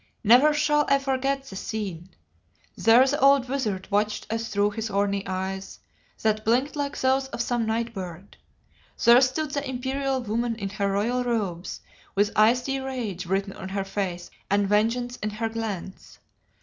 Never shall I forget the scene. There the old wizard watched us through his horny eyes, that blinked like those of some night bird. There stood the imperial woman in her royal robes, with icy rage written on her face and vengeance in her glance.